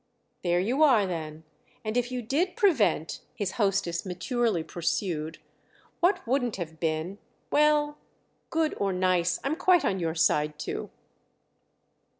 "There you are then! And if you did prevent," his hostess maturely pursued, "what wouldn't have been—well, good or nice, I'm quite on your side too."